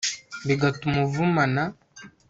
bigatuma uvumana